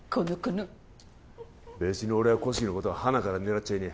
のっ別に俺は小杉のことははなから狙っちゃいね